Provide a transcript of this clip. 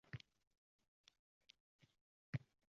Go’dak edim, otamni